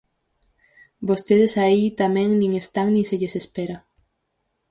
Vostedes aí tamén nin están nin se lles espera.